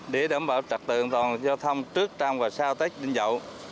để đảm bảo trật tự an toàn giao thông trước trong và sau tết đình dậu